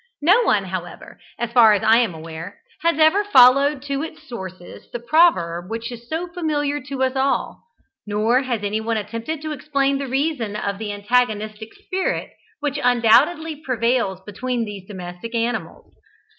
No one, however, as far as I am aware, has ever followed to its sources the proverb which is so familiar to us all; nor has anyone attempted to explain the reason of the antagonistic spirit which undoubtedly prevails between these domestic animals.